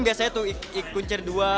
biasanya tuh ikutin dua